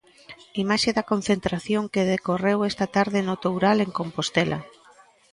Imaxe da concentración que decorreu esta tarde no Toural, en Compostela.